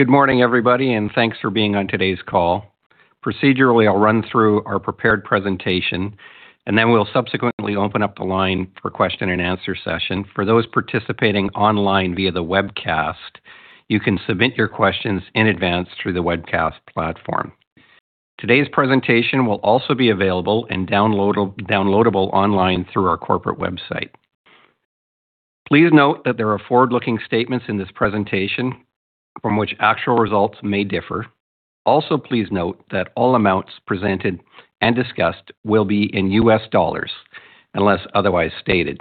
Good morning, everybody, and thanks for being on today's call. Procedurally, I'll run through our prepared presentation, and then we'll subsequently open up the line for question and answer session. For those participating online via the webcast, you can submit your questions in advance through the webcast platform. Today's presentation will also be available and downloadable online through our corporate website. Please note that there are forward-looking statements in this presentation from which actual results may differ. Please note that all amounts presented and discussed will be in U.S. dollars unless otherwise stated.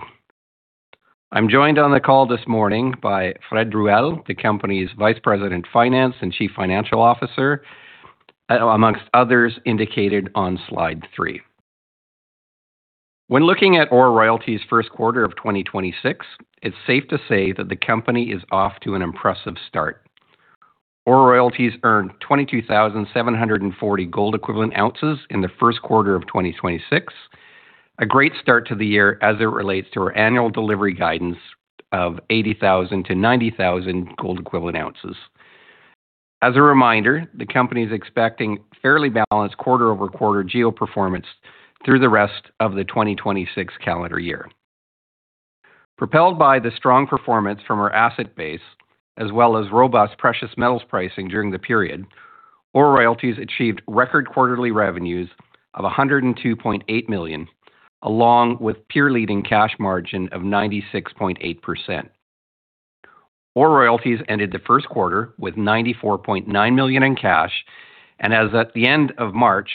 I'm joined on the call this morning by Fred Ruel, the company's Vice President, Finance and Chief Financial Officer, amongst others indicated on slide three. When looking at OR Royalties' first quarter of 2026, it's safe to say that the company is off to an impressive start. OR Royalties earned 22,740 gold equivalent ounces in the first quarter of 2026, a great start to the year as it relates to our annual delivery guidance of 80,000-90,000 gold equivalent ounces. As a reminder, the company is expecting fairly balanced quarter-over-quarter GEO performance through the rest of the 2026 calendar year. Propelled by the strong performance from our asset base, as well as robust precious metals pricing during the period, OR Royalties achieved record quarterly revenues of $102.8 million, along with peer-leading cash margin of 96.8%. OR Royalties ended the first quarter with $94.9 million in cash, and as at the end of March,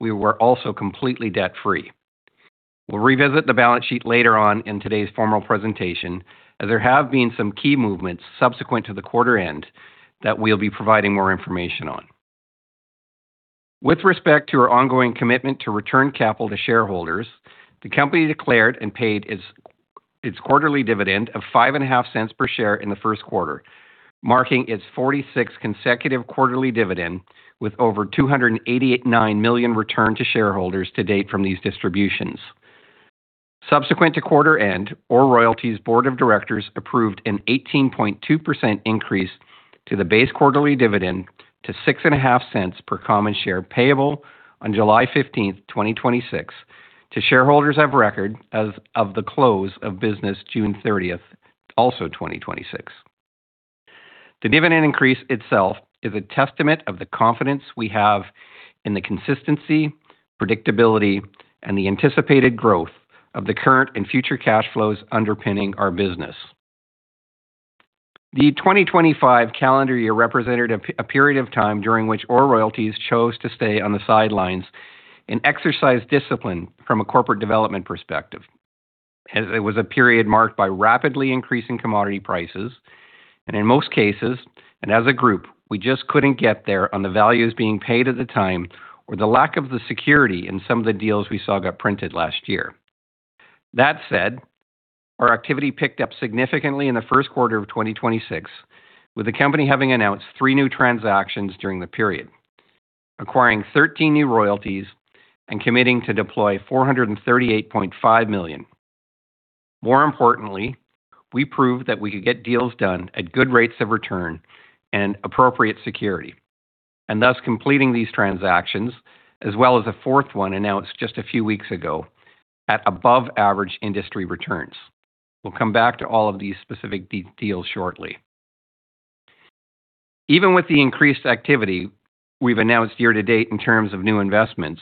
we were also completely debt-free. We'll revisit the balance sheet later on in today's formal presentation, as there have been some key movements subsequent to the quarter end that we'll be providing more information on. With respect to our ongoing commitment to return capital to shareholders, the company declared and paid its quarterly dividend of $0.055 per share in the first quarter, marking its 46th consecutive quarterly dividend with over $288.9 million returned to shareholders to date from these distributions. Subsequent to quarter end, OR Royalties' board of directors approved an 18.2% increase to the base quarterly dividend to $0.065 per common share payable on July 15th, 2026 to shareholders of record as of the close of business June 30th, 2026. The dividend increase itself is a testament of the confidence we have in the consistency, predictability, and the anticipated growth of the current and future cash flows underpinning our business. The 2025 calendar year represented a period of time during which OR Royalties chose to stay on the sidelines and exercise discipline from a corporate development perspective, as it was a period marked by rapidly increasing commodity prices, in most cases, and as a group, we just couldn't get there on the values being paid at the time or the lack of the security in some of the deals we saw got printed last year. That said, our activity picked up significantly in the first quarter of 2026, with the company having announced three new transactions during the period, acquiring 13 new royalties and committing to deploy $438.5 million. More importantly, we proved that we could get deals done at good rates of return and appropriate security, and thus completing these transactions, as well as a fourth one announced just a few weeks ago, at above average industry returns. We'll come back to all of these specific deals shortly. Even with the increased activity we've announced year to date in terms of new investments,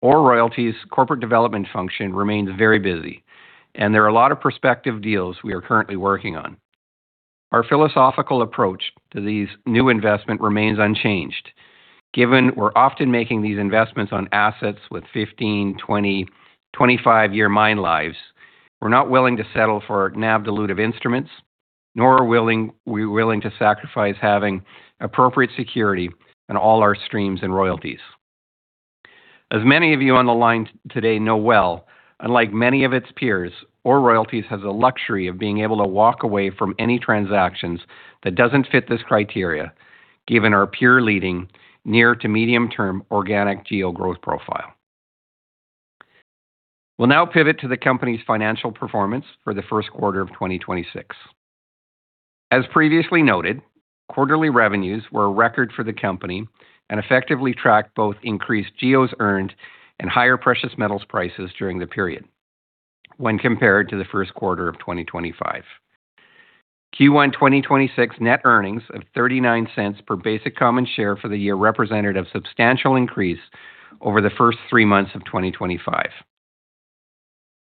OR Royalties' corporate development function remains very busy. There are a lot of prospective deals we are currently working on. Our philosophical approach to these new investment remains unchanged. Given we're often making these investments on assets with 15, 20, 25-year mine lives, we're not willing to settle for NAV dilutive instruments, nor are willing, we're willing to sacrifice having appropriate security in all our streams and royalties. As many of you on the line today know well, unlike many of its peers, OR Royalties has the luxury of being able to walk away from any transactions that doesn't fit this criteria, given our peer-leading near to medium-term organic GEO growth profile. We'll now pivot to the company's financial performance for the first quarter of 2026. As previously noted, quarterly revenues were a record for the company and effectively tracked both increased GEOs earned and higher precious metals prices during the period when compared to the first quarter of 2025. Q1 2026 net earnings of $0.39 per basic common share for the year represented a substantial increase over the first three months of 2025.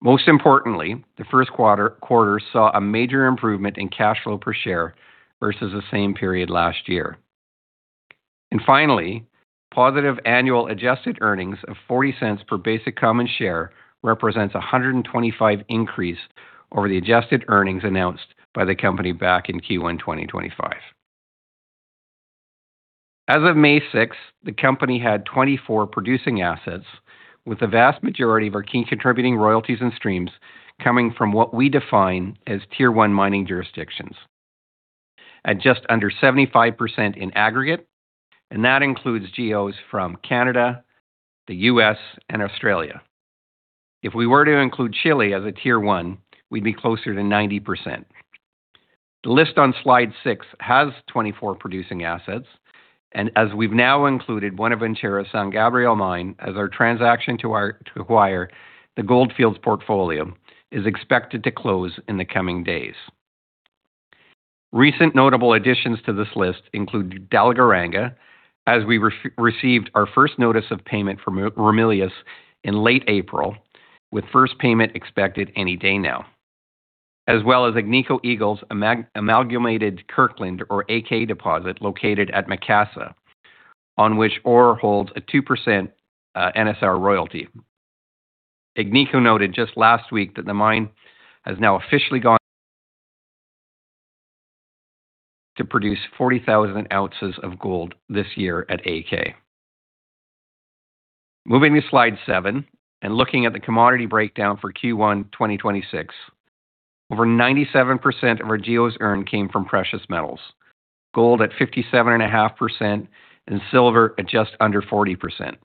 Most importantly, the first quarter saw a major improvement in cash flow per share versus the same period last year. Finally, positive annual adjusted earnings of $0.40 per basic common share represents 125% increase over the adjusted earnings announced by the company back in Q1 2025. As of May 6, the company had 24 producing assets with the vast majority of our key contributing royalties and streams coming from what we define as Tier-1 mining jurisdictions at just under 75% in aggregate, and that includes GEOs from Canada, the U.S., and Australia. If we were to include Chile as a Tier-1, we'd be closer to 90%. The list on slide six has 24 producing assets, and as we've now included Buenaventura San Gabriel Mine as our transaction to acquire the Gold Fields portfolio is expected to close in the coming days. Recent notable additions to this list include Dalgaranga, as we re-received our first notice of payment from Ramelius in late April, with first payment expected any day now. As well as Agnico Eagle's Amalgamated Kirkland or AK deposit located at Macassa, on which OR holds a 2% NSR royalty. Agnico noted just last week that the mine has now officially gone to produce 40,000 ounces of gold this year at AK. Moving to slide seven and looking at the commodity breakdown for Q1 2026. Over 97% of our GEOs earned came from precious metals, gold at 57.5% and silver at just under 40%,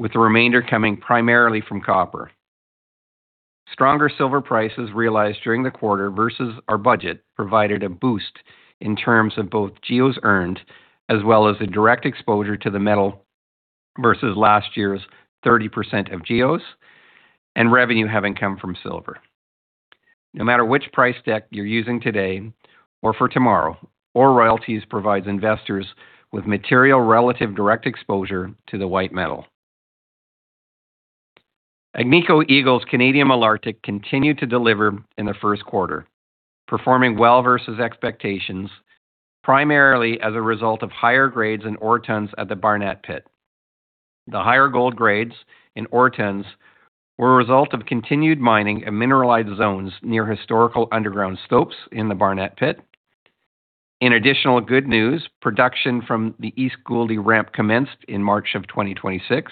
with the remainder coming primarily from copper. Stronger silver prices realized during the quarter versus our budget provided a boost in terms of both GEOs earned, as well as the direct exposure to the metal versus last year's 30% of GEOs and revenue having come from silver. No matter which price deck you're using today or for tomorrow, OR Royalties provides investors with material relative direct exposure to the white metal. Agnico Eagle's Canadian Malartic continued to deliver in the first quarter, performing well versus expectations, primarily as a result of higher grades in ore tons at the Barnat Pit. The higher gold grades in ore tons were a result of continued mining and mineralized zones near historical underground stopes in the Barnat Pit. In additional good news, production from the East Gouldie ramp commenced in March of 2026.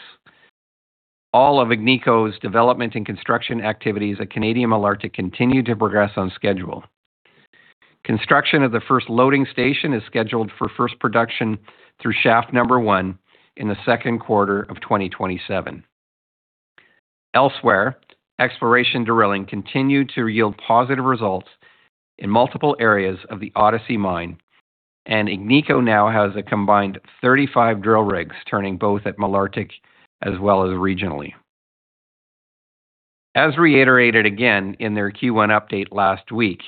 All of Agnico's development and construction activities at Canadian Malartic continue to progress on schedule. Construction of the first loading station is scheduled for first production through shaft number one in the second quarter of 2027. Elsewhere, exploration drilling continued to yield positive results in multiple areas of the Odyssey Mine, and Agnico now has a combined 35 drill rigs turning both at Malartic as well as regionally. As reiterated again in their Q1 update last week,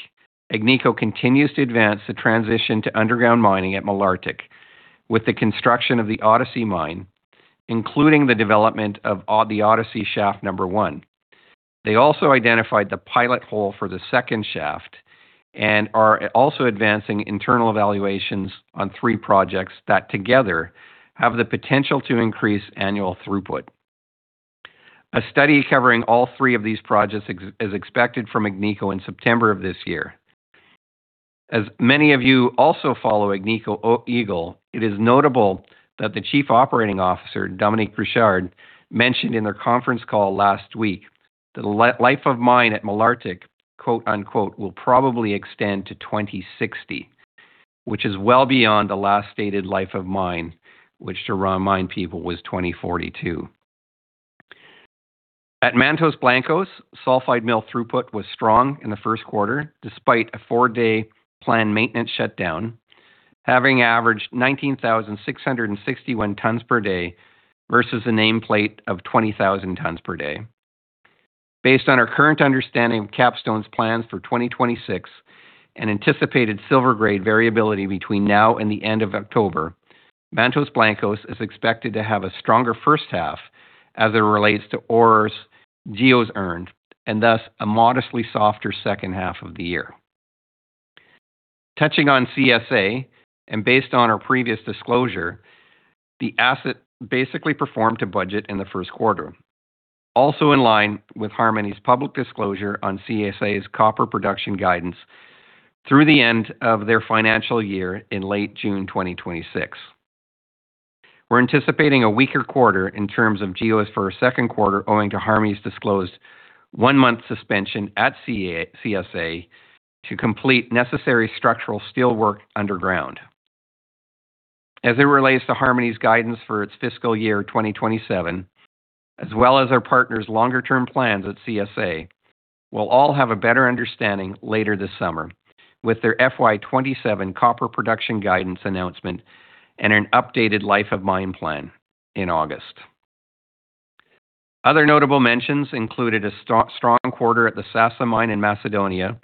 Agnico continues to advance the transition to underground mining at Malartic with the construction of the Odyssey Mine, including the development of the Odyssey shaft number one. They also identified the pilot hole for the second shaft and are also advancing internal evaluations on three projects that together have the potential to increase annual throughput. A study covering all three of these projects is expected from Agnico in September of this year. As many of you also follow Agnico Eagle, it is notable that the Chief Operating Officer, Dominique Girard, mentioned in their conference call last week that the life of mine at Malartic, quote-unquote, "Will probably extend to 2060," which is well beyond the last stated life of mine, which to remind people was 2042. At Mantos Blancos, sulfide mill throughput was strong in the first quarter, despite a four-day planned maintenance shutdown, having averaged 19,661 tons per day versus a nameplate of 20,000 tons per day. Based on our current understanding of Capstone's plans for 2026 and anticipated silver grade variability between now and the end of October, Mantos Blancos is expected to have a stronger first half as it relates to OR's GEOs earned, and thus a modestly softer second half of the year. Touching on CSA and based on our previous disclosure, the asset basically performed to budget in the first quarter. Also in line with Harmony's public disclosure on CSA's copper production guidance through the end of their financial year in late June 2026. We're anticipating a weaker quarter in terms of GEOs for our second quarter, owing to Harmony's disclosed one month suspension at CSA to complete necessary structural steelwork underground. As it relates to Harmony's guidance for its fiscal year 2027, as well as our partner's longer term plans at CSA, we'll all have a better understanding later this summer with their FY 2027 copper production guidance announcement and an updated life of mine plan in August. Other notable mentions included a strong quarter at the Sasa Mine in Macedonia,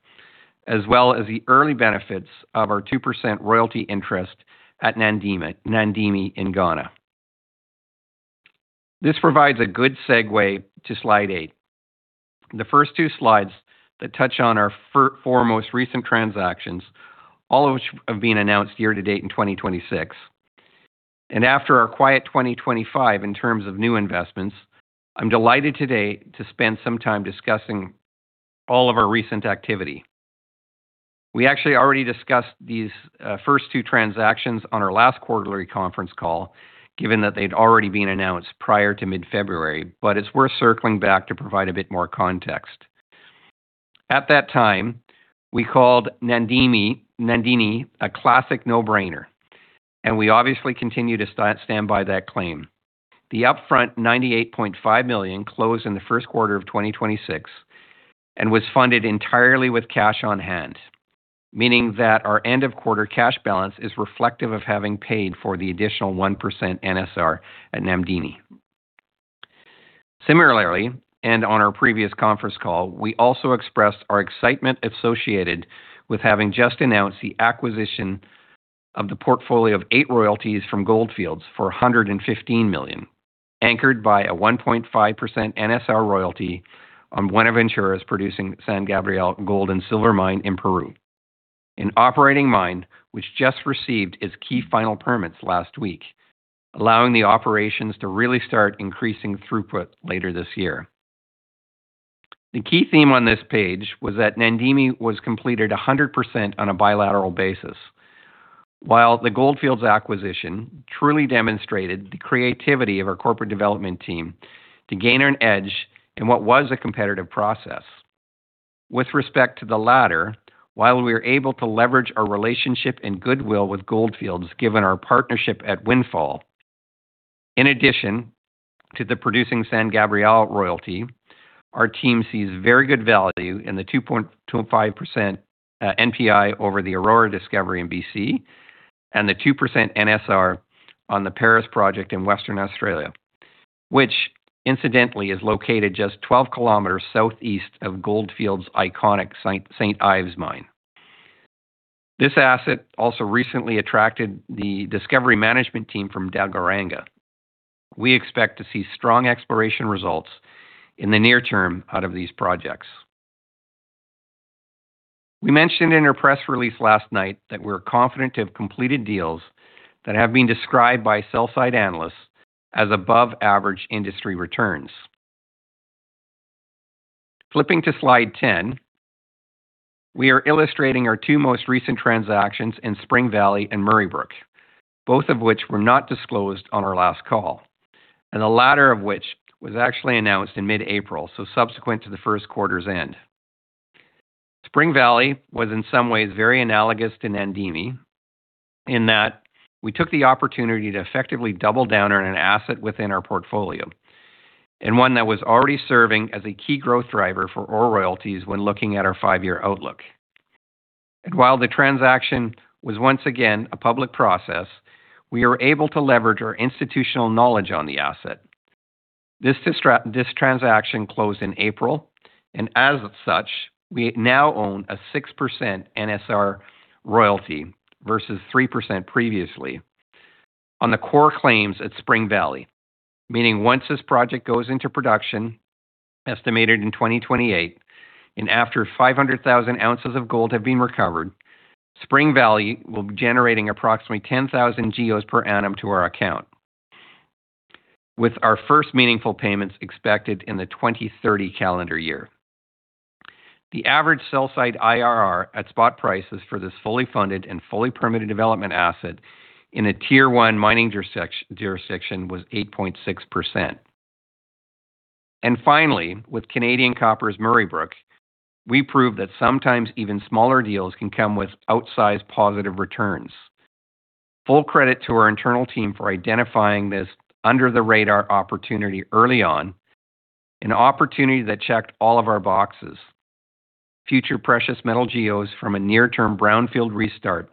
as well as the early benefits of our 2% royalty interest at Namdini in Ghana. This provides a good segue to slide eight. The first two slides that touch on our four most recent transactions, all of which have been announced year to date in 2026. After our quiet 2025 in terms of new investments, I'm delighted today to spend some time discussing all of our recent activity. We actually already discussed these first two transactions on our last quarterly conference call, given that they'd already been announced prior to mid-February, but it's worth circling back to provide a bit more context. At that time, we called Namdini a classic no-brainer, and we obviously continue to stand by that claim. The upfront $98.5 million closed in the first quarter of 2026 and was funded entirely with cash on hand, meaning that our end-of-quarter cash balance is reflective of having paid for the additional 1% NSR at Namdini. Similarly, on our previous conference call, we also expressed our excitement associated with having just announced the acquisition of the portfolio of eight royalties from Gold Fields for $115 million, anchored by a 1.5% NSR royalty on Buenaventura's producing San Gabriel gold and silver mine in Peru, an operating mine which just received its key final permits last week, allowing the operations to really start increasing throughput later this year. The key theme on this page was that Namdini was completed 100% on a bilateral basis, while the Gold Fields acquisition truly demonstrated the creativity of our corporate development team to gain an edge in what was a competitive process. With respect to the latter, while we were able to leverage our relationship and goodwill with Gold Fields given our partnership at Windfall, in addition to the producing San Gabriel royalty, our team sees very good value in the 2.25% NPI over the Aurora Discovery in B.C. and the 2% NSR on the Paris project in Western Australia, which incidentally is located just 12 km southeast of Gold Fields' iconic St. Ives mine. This asset also recently attracted the discovery management team from Dalgaranga. We expect to see strong exploration results in the near term out of these projects. We mentioned in our press release last night that we're confident of completed deals that have been described by sell-side analysts as above-average industry returns. Flipping to slide 10, we are illustrating our two most recent transactions in Spring Valley and Murray Brook, both of which were not disclosed on our last call, and the latter of which was actually announced in mid-April, so subsequent to the first quarter's end. Spring Valley was in some ways very analogous to Namdini in that we took the opportunity to effectively double down on an asset within our portfolio, and one that was already serving as a key growth driver for our royalties when looking at our five-year outlook. While the transaction was once again a public process, we were able to leverage our institutional knowledge on the asset. This transaction closed in April, and as of such, we now own a 6% NSR royalty versus 3% previously on the core claims at Spring Valley, meaning once this project goes into production, estimated in 2028, and after 500,000 ounces of gold have been recovered, Spring Valley will be generating approximately 10,000 GEOs per annum to our account, with our first meaningful payments expected in the 2030 calendar year. The average sell-side IRR at spot prices for this fully funded and fully permitted development asset in a Tier-1 mining jurisdiction was 8.6%. Finally, with Canadian Copper's Murray Brook, we proved that sometimes even smaller deals can come with outsized positive returns. Full credit to our internal team for identifying this under-the-radar opportunity early on, an opportunity that checked all of our boxes. Future precious metal GEOs from a near-term brownfield restart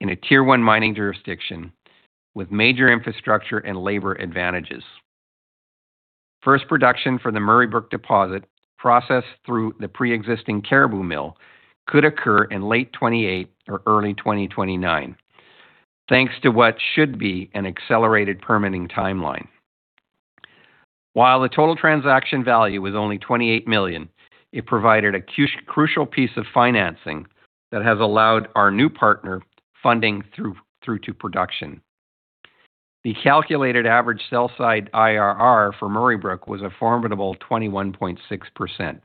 in a Tier-1 mining jurisdiction with major infrastructure and labor advantages. First production for the Murray Brook deposit processed through the pre-existing Caribou mill could occur in late 2028 or early 2029, thanks to what should be an accelerated permitting timeline. While the total transaction value was only $28 million, it provided a crucial piece of financing that has allowed our new partner funding through to production. The calculated average sell-side IRR for Murray Brook was a formidable 21.6%.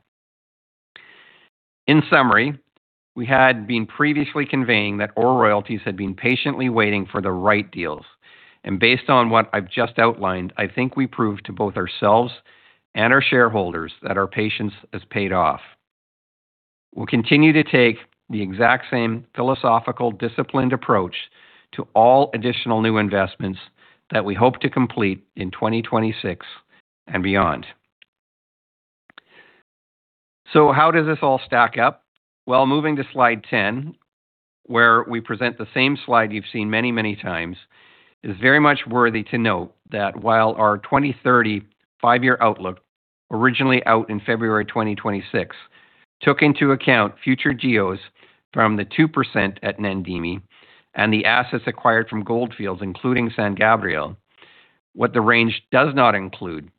In summary, we had been previously conveying that OR Royalties had been patiently waiting for the right deals, and based on what I've just outlined, I think we proved to both ourselves and our shareholders that our patience has paid off. We'll continue to take the exact same philosophical, disciplined approach to all additional new investments that we hope to complete in 2026 and beyond. How does this all stack up? Moving to slide 10, where we present the same slide you've seen many, many times, it is very much worthy to note that while our 2030 5-year outlook, originally out in February 2026, took into account future GEOs from the 2% at Namdini and the assets acquired from Gold Fields, including San Gabriel, what the range does not include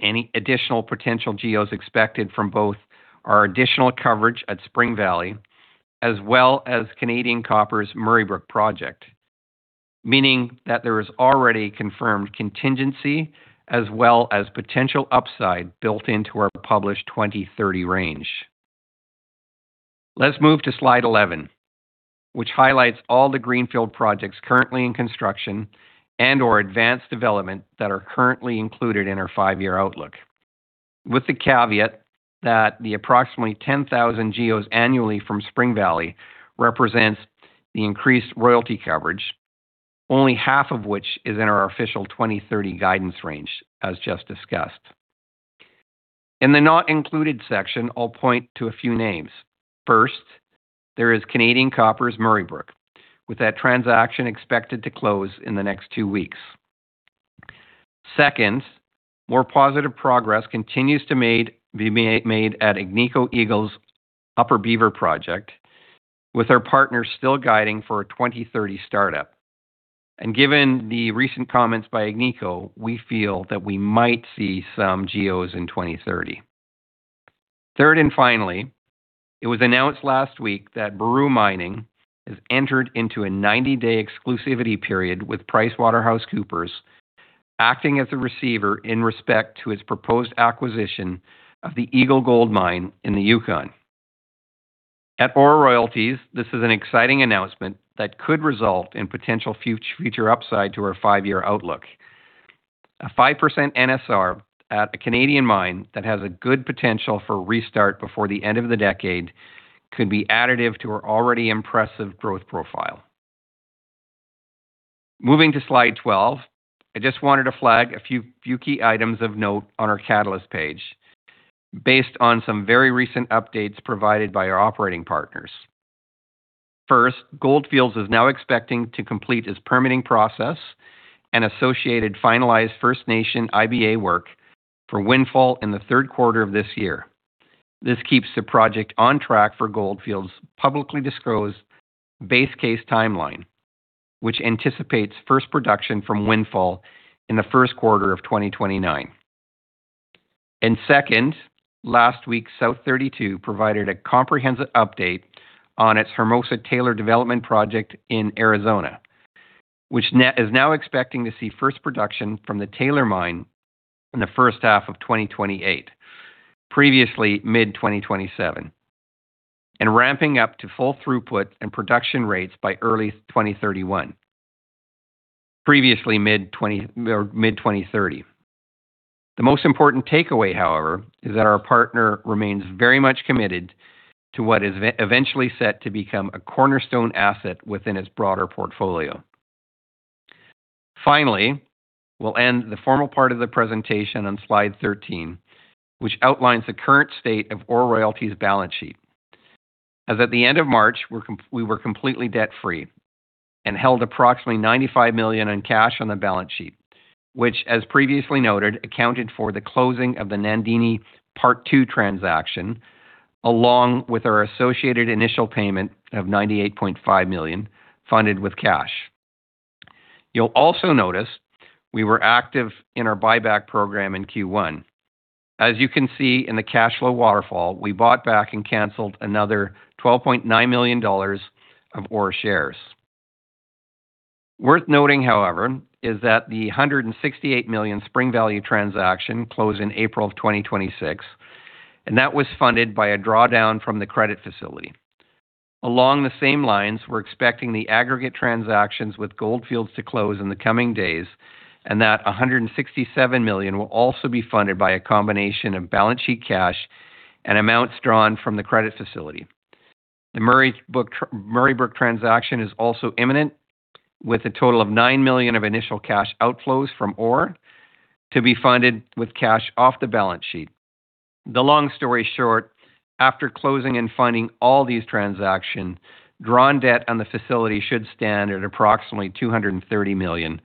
any additional potential GEOs expected from both our additional coverage at Spring Valley as well as Canadian Copper's Murray Brook project, meaning that there is already confirmed contingency as well as potential upside built into our published 2030 range. Let's move to slide 11, which highlights all the greenfield projects currently in construction and/or advanced development that are currently included in our 5-year outlook. With the caveat that the approximately 10,000 GEOs annually from Spring Valley represents the increased royalty coverage, only half of which is in our official 2030 guidance range, as just discussed. In the not included section, I'll point to a few names. First, there is Canadian Copper's Murray Brook, with that transaction expected to close in the next two weeks. Second, more positive progress continues to be made at Agnico Eagle's Upper Beaver project, with our partners still guiding for a 2030 startup. Given the recent comments by Agnico, we feel that we might see some GEOs in 2030. Third, finally, it was announced last week that Baru Gold has entered into a 90-day exclusivity period, with PricewaterhouseCoopers acting as a receiver in respect to its proposed acquisition of the Eagle Gold Mine in the Yukon. At OR Royalties, this is an exciting announcement that could result in potential future upside to our five-year outlook. A 5% NSR at a Canadian mine that has a good potential for restart before the end of the decade could be additive to our already impressive growth profile. Moving to slide 12, I just wanted to flag a few key items of note on our catalyst page based on some very recent updates provided by our operating partners. First, Gold Fields is now expecting to complete its permitting process and associated finalized First Nation IBA work for Windfall in the third quarter of this year. This keeps the project on track for Gold Fields' publicly disclosed base case timeline, which anticipates first production from Windfall in the first quarter of 2029. Second, last week, South32 provided a comprehensive update on its Hermosa-Taylor development project in Arizona, which is now expecting to see first production from the Taylor Mine in the first half of 2028, previously mid-2027, and ramping up to full throughput and production rates by early 2031, previously mid-2030. The most important takeaway, however, is that our partner remains very much committed to what is eventually set to become a cornerstone asset within its broader portfolio. Finally, we'll end the formal part of the presentation on slide 13, which outlines the current state of OR Royalties' balance sheet. As at the end of March, we were completely debt-free and held approximately $95 million in cash on the balance sheet, which, as previously noted, accounted for the closing of the Namdini Part 2 transaction, along with our associated initial payment of $98.5 million funded with cash. You'll also notice we were active in our buyback program in Q1. As you can see in the cash flow waterfall, we bought back and canceled another $12.9 million of OR shares. Worth noting, however, is that the $168 million Spring Valley transaction closed in April of 2026, and that was funded by a drawdown from the credit facility. Along the same lines, we're expecting the aggregate transactions with Gold Fields to close in the coming days, and that $167 million will also be funded by a combination of balance sheet cash and amounts drawn from the credit facility. The Murray Brook transaction is also imminent, with a total of $9 million of initial cash outflows from OR to be funded with cash off the balance sheet. The long story short, after closing and funding all these transaction, drawn debt on the facility should stand at approximately $230 million,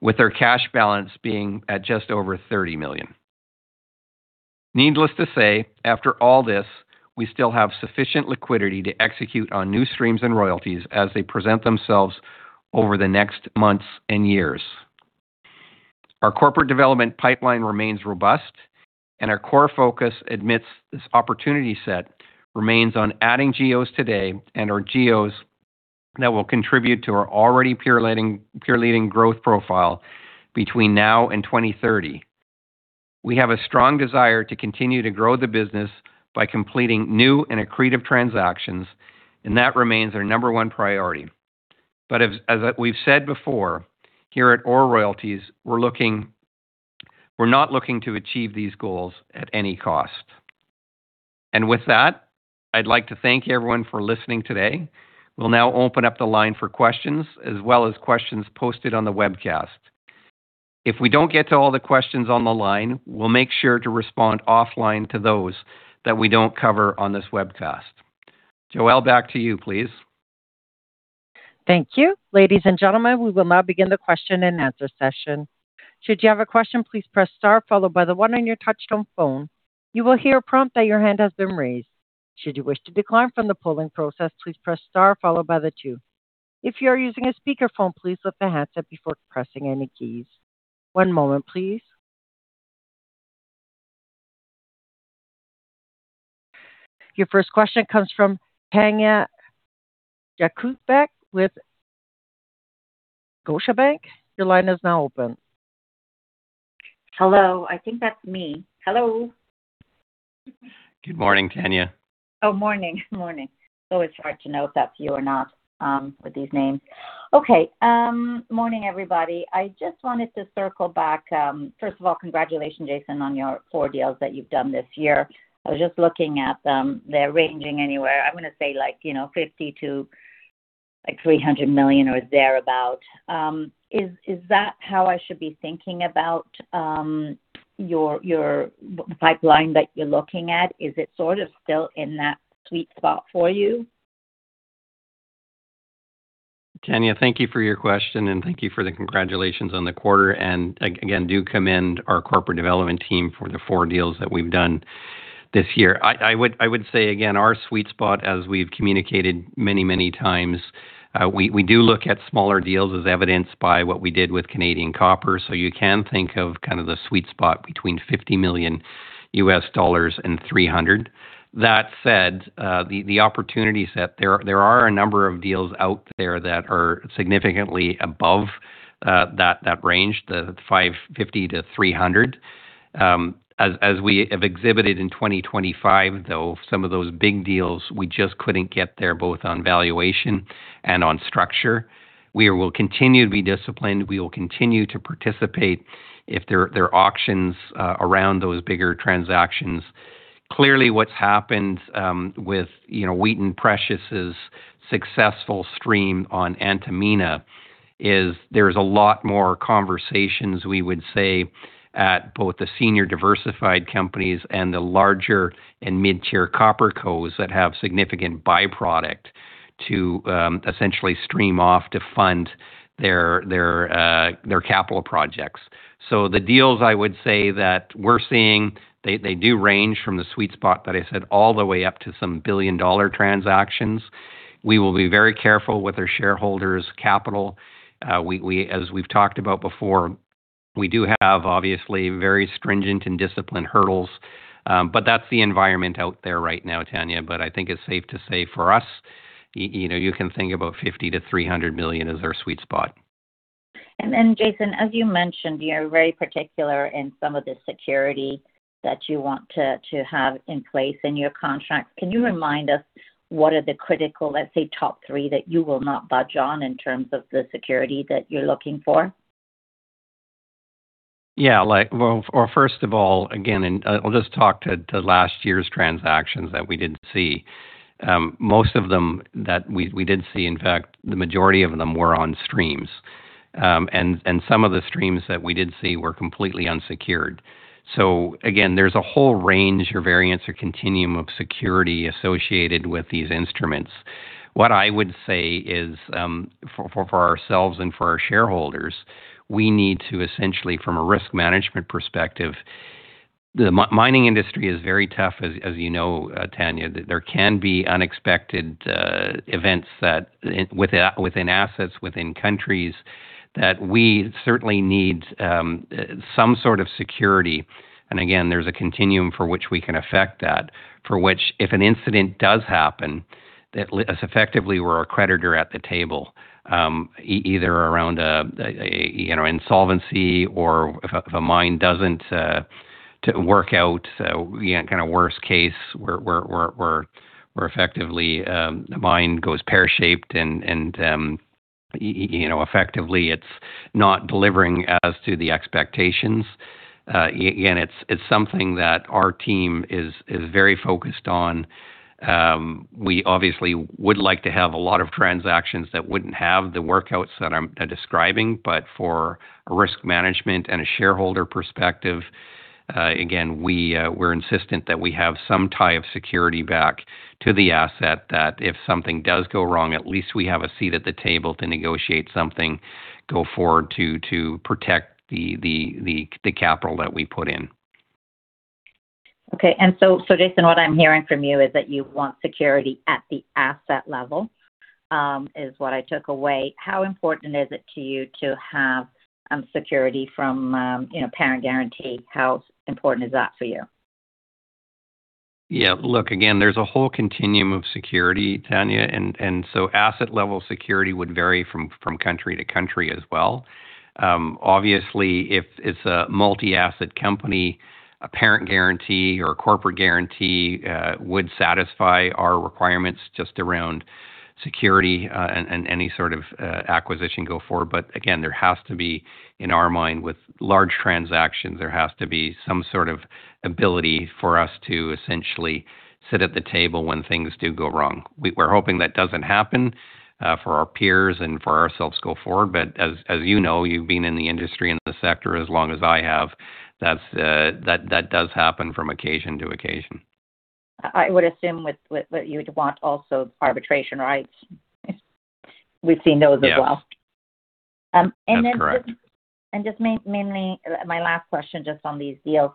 with our cash balance being at just over $30 million. Needless to say, after all this, we still have sufficient liquidity to execute on new streams and royalties as they present themselves over the next months and years. Our corporate development pipeline remains robust, our core focus amidst this opportunity set remains on adding GEOs today and/or GEOs that will contribute to our already peer-leading growth profile between now and 2030. We have a strong desire to continue to grow the business by completing new and accretive transactions, that remains our number one priority. As we've said before, here at OR Royalties, we're not looking to achieve these goals at any cost. With that, I'd like to thank everyone for listening today. We'll now open up the line for questions as well as questions posted on the webcast. If we don't get to all the questions on the line, we'll make sure to respond offline to those that we don't cover on this webcast. Joelle, back to you, please. Thank you. Ladies and gentlemen, we will now begin the question and answer session. Your first question comes from Tanya Jakusconek with Scotiabank. Your line is now open. Hello. I think that's me. Hello. Good morning, Tanya. Morning. Morning. It's always hard to know if that's you or not with these names. Morning, everybody. I just wanted to circle back. First of all, congratulations, Jason, on your four deals that you've done this year. I was just looking at them. They're ranging anywhere, I'm gonna say, like, you know, $50 million-$300 million or thereabout. Is that how I should be thinking about your pipeline that you're looking at? Is it sort of still in that sweet spot for you? Tanya, thank you for your question, thank you for the congratulations on the quarter. Again, do commend our corporate development team for the four deals that we've done this year. I would say again, our sweet spot as we've communicated many, many times, we do look at smaller deals as evidenced by what we did with Canadian Copper. You can think of kind of the sweet spot between $50 million and $300 million. That said, the opportunities, there are a number of deals out there that are significantly above that range, the $550 million-$300 million. As we have exhibited in 2025, though, some of those big deals, we just couldn't get there, both on valuation and on structure. We will continue to be disciplined. We will continue to participate if there are auctions around those bigger transactions. Clearly what's happened with, you know, Wheaton Precious' successful stream on Antamina is there's a lot more conversations, we would say, at both the senior diversified companies and the larger and mid-tier copper cos that have significant byproduct to essentially stream off to fund their capital projects. The deals I would say that we're seeing, they do range from the sweet spot that I said all the way up to some $1 billion transactions. We will be very careful with our shareholders' capital. We, as we've talked about before, we do have obviously very stringent and disciplined hurdles, but that's the environment out there right now, Tanya. I think it's safe to say for us, you know, you can think about $50 million-$300 million is our sweet spot. Jason, as you mentioned, you are very particular in some of the security that you want to have in place in your contracts. Can you remind us what are the critical, let's say, top three that you will not budge on in terms of the security that you're looking for? Yeah. Like, well, or first of all, again, I'll just talk to last year's transactions that we did see. Most of them that we did see, in fact, the majority of them were on streams. And some of the streams that we did see were completely unsecured. Again, there's a whole range or variance or continuum of security associated with these instruments. What I would say is, for ourselves and for our shareholders, we need to essentially, from a risk management perspective, the mining industry is very tough, as you know, Tanya. There can be unexpected events that within assets, within countries, that we certainly need some sort of security. Again, there's a continuum for which we can affect that, for which if an incident does happen, that us effectively we're a creditor at the table, either around a, you know, insolvency or if a mine doesn't to work out, you know, kind of worst case where effectively the mine goes pear-shaped and, you know, effectively it's not delivering as to the expectations. Again, it's something that our team is very focused on. We obviously would like to have a lot of transactions that wouldn't have the workouts that I'm describing, but for a risk management and a shareholder perspective, again, we're insistent that we have some tie of security back to the asset that if something does go wrong, at least we have a seat at the table to negotiate something go forward to protect the capital that we put in. Okay. So Jason, what I'm hearing from you is that you want security at the asset level, is what I took away. How important is it to you to have security from, you know, parent guarantee? How important is that for you? Yeah. Look, again, there's a whole continuum of security, Tanya, and so asset level security would vary from country to country as well. Obviously, if it's a multi-asset company, a parent guarantee or a corporate guarantee would satisfy our requirements just around security and any sort of acquisition go forward. Again, there has to be, in our mind, with large transactions, there has to be some sort of ability for us to essentially sit at the table when things do go wrong. We're hoping that doesn't happen for our peers and for ourselves go forward. As you know, you've been in the industry and the sector as long as I have, that does happen from occasion to occasion. I would assume you'd want also arbitration rights. We've seen those as well. Yes. Um, and then just- That is correct. mainly my last question just on these deals.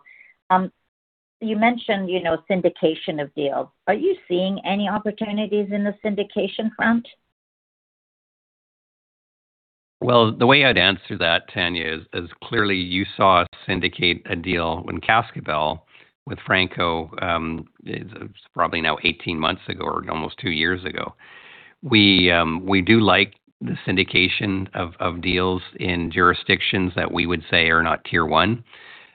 You mentioned, you know, syndication of deals. Are you seeing any opportunities in the syndication front? Well, the way I'd answer that, Tanya, is clearly you saw us syndicate a deal in Cascabel with Franco-Nevada, it's probably now 18 months ago or almost two years ago. We do like the syndication of deals in jurisdictions that we would say are not Tier-1.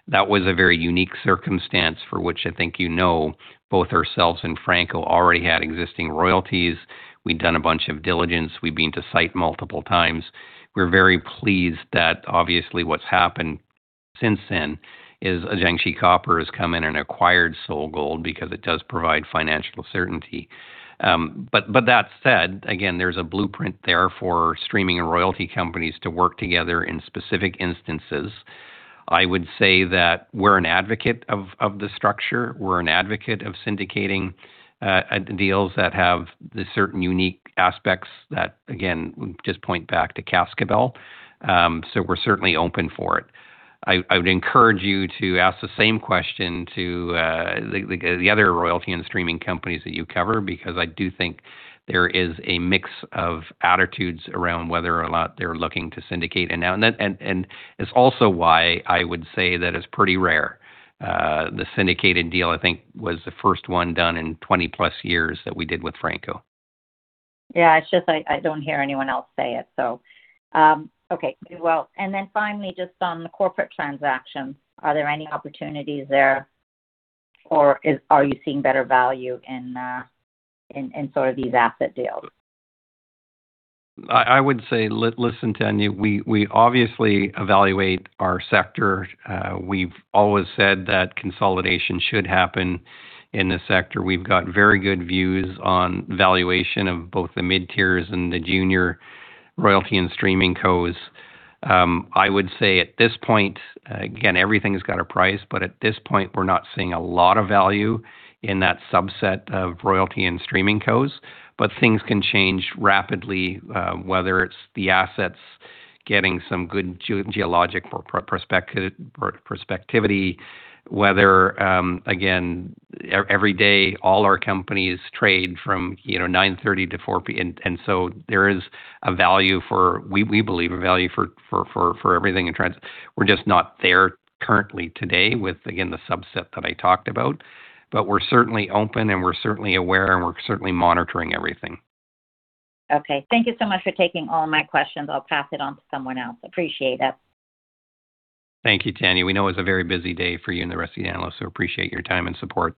That was a very unique circumstance for which I think you know both ourselves and Franco-Nevada already had existing royalties. We'd done a bunch of diligence. We'd been to site multiple times. We're very pleased that obviously what's happened since then is Jiangxi Copper has come in and acquired SolGold because it does provide financial certainty. But that said, again, there's a blueprint there for streaming and royalty companies to work together in specific instances. I would say that we're an advocate of the structure. We're an advocate of syndicating deals that have the certain unique aspects that, again, just point back to Cascabel. We're certainly open for it. I would encourage you to ask the same question to the other royalty and streaming companies that you cover, because I do think there is a mix of attitudes around whether or not they're looking to syndicate or not. It's also why I would say that it's pretty rare. The syndicated deal, I think, was the first one done in 20+ years that we did with Franco-Nevada. Yeah. It's just I don't hear anyone else say it. Okay. Well, then finally, just on the corporate transactions, are there any opportunities there or are you seeing better value in sort of these asset deals? I would say listen, Tanya, we obviously evaluate our sector. We've always said that consolidation should happen in the sector. We've got very good views on valuation of both the mid-tiers and the junior royalty and streaming cos. I would say at this point, again, everything's got a price. At this point we're not seeing a lot of value in that subset of royalty and streaming cos. Things can change rapidly, whether it's the assets getting some good geologic perspectivity, whether, again, every day all our companies trade from, you know, 9:30 to 4:00 P.M. So there is a value for, we believe a value for everything in trans. We're just not there currently today with, again, the subset that I talked about. We're certainly open, and we're certainly aware, and we're certainly monitoring everything. Okay. Thank you so much for taking all my questions. I'll pass it on to someone else. Appreciate it. Thank you, Tanya. We know it's a very busy day for you and the rest of the analysts. Appreciate your time and support.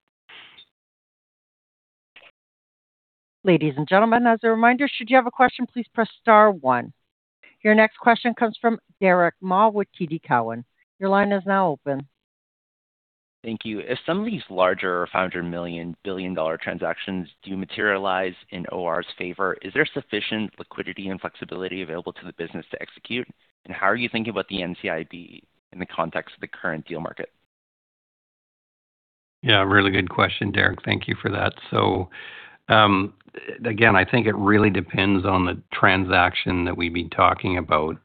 Ladies and gentlemen, as a reminder, should you have a question, please press star one. Your next question comes from Derick Ma with TD Cowen. Your line is now open. Thank you. If some of these larger $500 million, billion-dollar transactions do materialize in OR's favor, is there sufficient liquidity and flexibility available to the business to execute? How are you thinking about the NCIB in the context of the current deal market? Yeah, really good question, Derick. Thank you for that. Again, I think it really depends on the transaction that we've been talking about.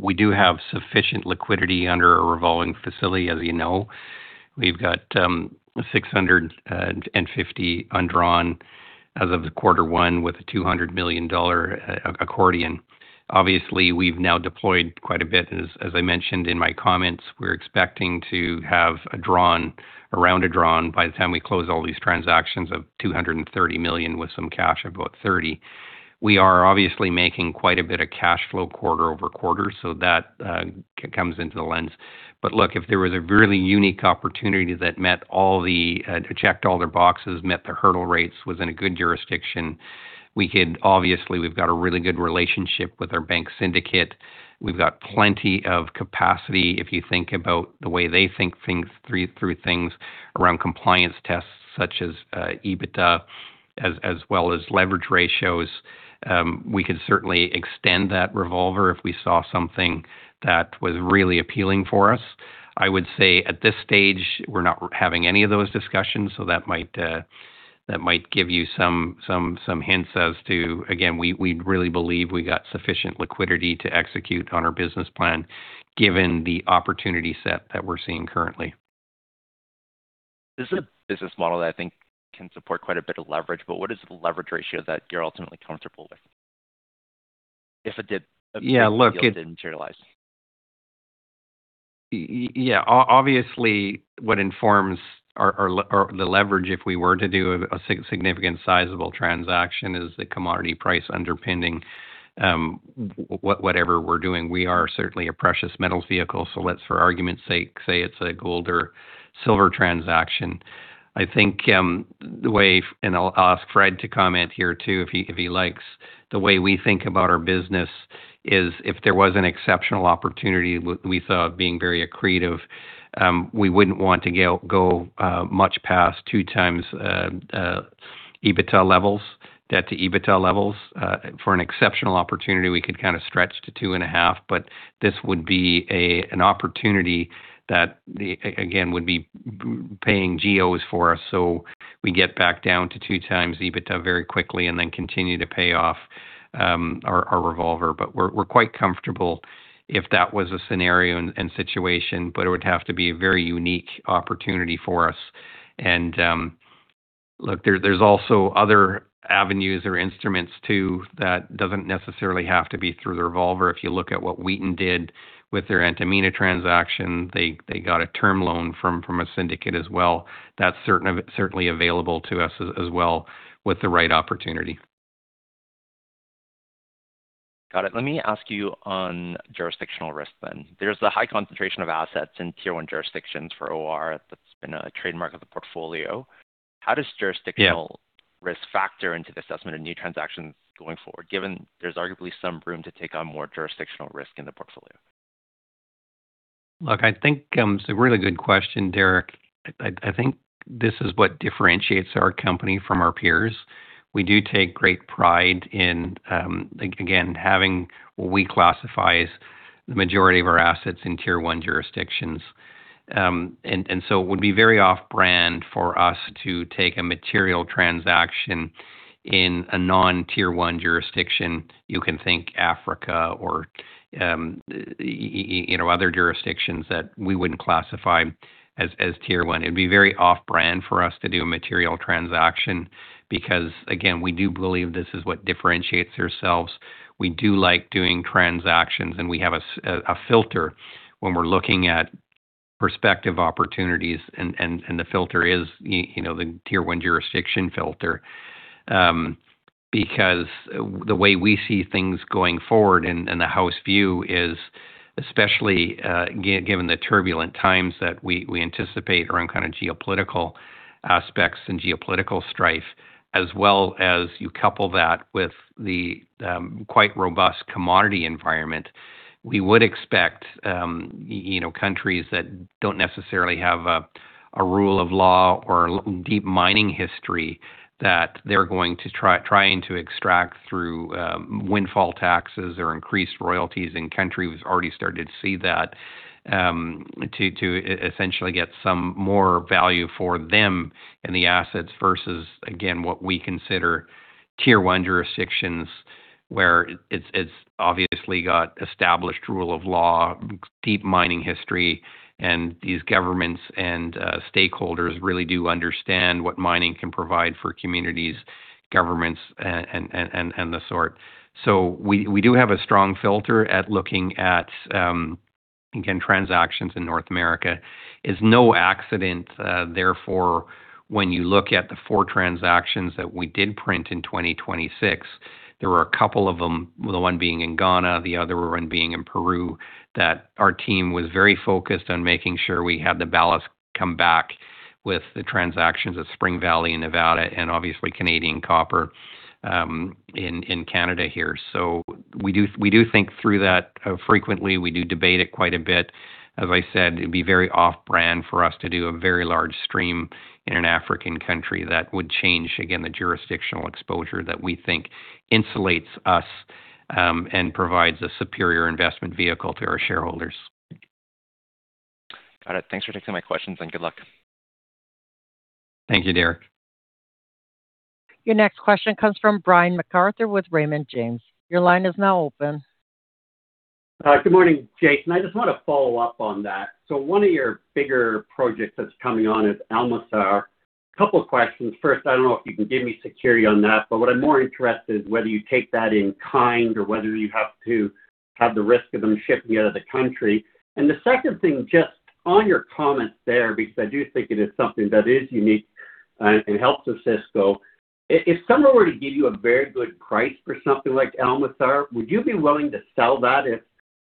We do have sufficient liquidity under a revolving facility, as you know. We've got $650 undrawn as of the quarter one with a $200 million accordion. Obviously, we've now deployed quite a bit. As I mentioned in my comments, we're expecting to have a drawn by the time we close all these transactions of $230 million, with some cash of about $30. We are obviously making quite a bit of cash flow quarter-over-quarter, that comes into the lens. Look, if there was a really unique opportunity that met all the, checked all their boxes, met their hurdle rates, was in a good jurisdiction. Obviously, we've got a really good relationship with our bank syndicate. We've got plenty of capacity. If you think about the way they think things through things around compliance tests such as EBITDA as well as leverage ratios, we could certainly extend that revolver if we saw something that was really appealing for us. I would say at this stage, we're not having any of those discussions. That might give you some hints as to Again, we really believe we got sufficient liquidity to execute on our business plan given the opportunity set that we're seeing currently. This is a business model that I think can support quite a bit of leverage, but what is the leverage ratio that you're ultimately comfortable with if it did. Yeah. if a deal did materialize? Yeah. Obviously, what informs our leverage if we were to do a significant sizable transaction is the commodity price underpinning whatever we're doing. We are certainly a precious metals vehicle, so let's, for argument's sake, say it's a gold or silver transaction. I think the way and I'll ask Fred to comment here too if he likes. The way we think about our business is if there was an exceptional opportunity we thought being very accretive, we wouldn't want to go much past 2x EBITDA levels, debt to EBITDA levels. For an exceptional opportunity, we could kind of stretch to 2.5, but this would be an opportunity that again, would be paying GEOs for us, so we get back down to 2x EBITDA very quickly and then continue to pay off our revolver. We're quite comfortable if that was a scenario and situation, but it would have to be a very unique opportunity for us. Look, there's also other avenues or instruments too that doesn't necessarily have to be through the revolver. If you look at what Wheaton did with their Antamina transaction, they got a term loan from a syndicate as well. That's certainly available to us as well with the right opportunity. Got it. Let me ask you on jurisdictional risk then. There's the high concentration of assets in Tier-1 jurisdictions for OR that's been a trademark of the portfolio. How does jurisdictional- Yeah risk factor into the assessment of new transactions going forward, given there's arguably some room to take on more jurisdictional risk in the portfolio? I think it's a really good question, Derick. I think this is what differentiates our company from our peers. We do take great pride in again, having what we classify as the majority of our assets in Tier-1 jurisdictions. It would be very off-brand for us to take a material transaction in a non Tier-1 jurisdiction. You can think Africa or, you know, other jurisdictions that we wouldn't classify as Tier-1. It'd be very off-brand for us to do a material transaction because, again, we do believe this is what differentiates ourselves. We do like doing transactions, we have a filter when we're looking at prospective opportunities and the filter is, you know, the Tier-1 jurisdiction filter. Because the way we see things going forward and the house view is especially, given the turbulent times that we anticipate around kind of geopolitical aspects and geopolitical strife, as well as you couple that with the, quite robust commodity environment. We would expect, you know, countries that don't necessarily have a rule of law or deep mining history that they're going to trying to extract through, windfall taxes or increased royalties in countries. We've already started to see that, to essentially get some more value for them in the assets versus, again, what we consider Tier-1 jurisdictions, where it's obviously got established rule of law, deep mining history, and these governments and, stakeholders really do understand what mining can provide for communities, governments, and the sort. We do have a strong filter at looking at, again, transactions in North America. It's no accident, therefore, when you look at the four transactions that we did print in 2026, there were a couple of them, the one being in Ghana, the other one being in Peru, that our team was very focused on making sure we had the ballast come back with the transactions at Spring Valley, Nevada, and obviously Canadian Copper, in Canada here. We do think through that frequently. We do debate it quite a bit. As I said, it'd be very off-brand for us to do a very large stream in an African country that would change, again, the jurisdictional exposure that we think insulates us and provides a superior investment vehicle to our shareholders. Got it. Thanks for taking my questions, and good luck. Thank you, Derick. Your next question comes from Brian MacArthur with Raymond James. Your line is now open. Good morning, Jason. I just want to follow up on that. One of your bigger projects that's coming on is Amulsar. A couple questions. First, I don't know if you can give me security on that, but what I'm more interested is whether you take that in kind or whether you have to have the risk of them shipping out of the country. The second thing, just on your comment there, because I do think it is something that is unique and helps Osisko. If someone were to give you a very good price for something like Amulsar, would you be willing to sell that if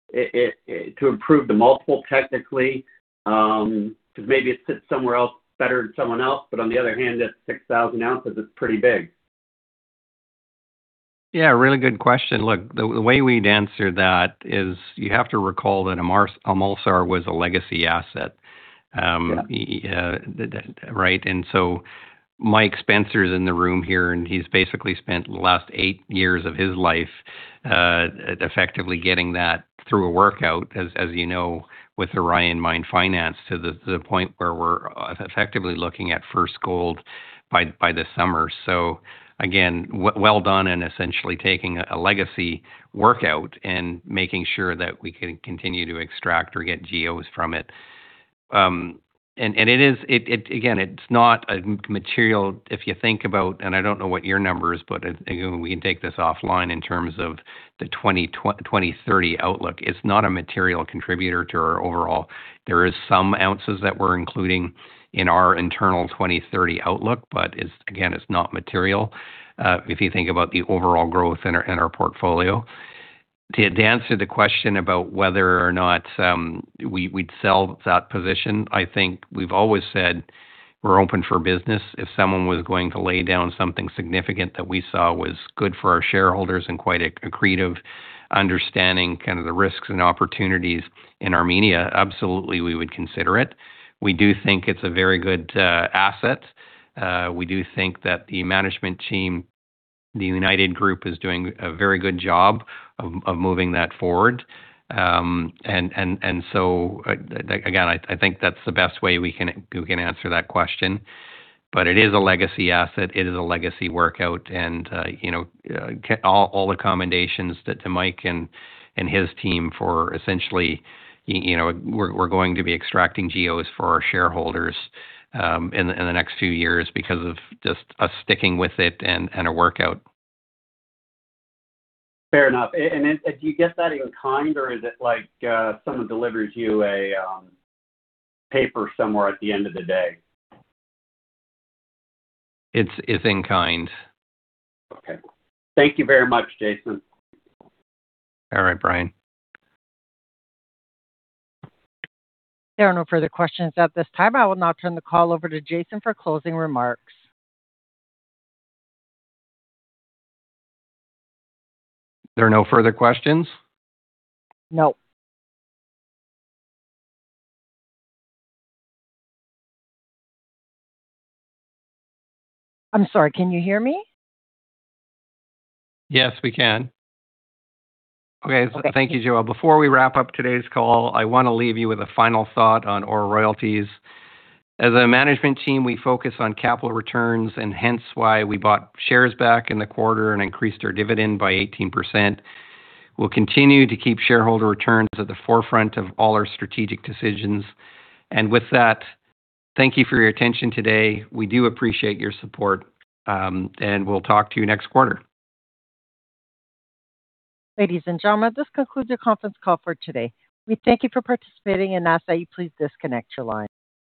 it to improve the multiple technically, 'cause maybe it sits somewhere else better than someone else, but on the other hand, that 6,000 oz is pretty big. Yeah, really good question. Look, the way we'd answer that is you have to recall that Amulsar was a legacy asset. Yeah That, right? Mike Spencer's in the room here, and he's basically spent the last eight years of his life, effectively getting that through a workout, as you know, with Orion Mine Finance to the point where we're effectively looking at first gold by this summer. Again, well done in essentially taking a legacy workout and making sure that we can continue to extract or get GEOs from it. It is, again, it's not a material if you think about, and I don't know what your number is, but again, we can take this offline in terms of the 2030 outlook. It's not a material contributor to our overall. There is some ounces that we're including in our internal 2030 outlook, but it's, again, it's not material, if you think about the overall growth in our, in our portfolio. To answer the question about whether or not we'd sell that position, I think we've always said we're open for business. If someone was going to lay down something significant that we saw was good for our shareholders and quite accretive understanding kind of the risks and opportunities in Armenia, absolutely we would consider it. We do think it's a very good asset. We do think that the management team, the United Group, is doing a very good job of moving that forward. Again, I think that's the best way we can answer that question. It is a legacy asset. It is a legacy workout. You know, all the commendations that to Mike and his team for essentially, you know, we're going to be extracting GEOs for our shareholders in the next few years because of just us sticking with it and a workout. Fair enough. Then do you get that in kind, or is it like, someone delivers you a, paper somewhere at the end of the day? It's in kind. Okay. Thank you very much, Jason. All right, Brian. There are no further questions at this time. I will now turn the call over to Jason for closing remarks. There are no further questions? No. I'm sorry, can you hear me? Yes, we can. Okay. Okay. Thank you, Joelle. Before we wrap up today's call, I want to leave you with a final thought on our royalties. As a management team, we focus on capital returns and hence why we bought shares back in the quarter and increased our dividend by 18%. We'll continue to keep shareholder returns at the forefront of all our strategic decisions. With that, thank you for your attention today. We do appreciate your support. We'll talk to you next quarter. Ladies and gentlemen, this concludes your conference call for today. We thank you for participating and ask that you please disconnect your line.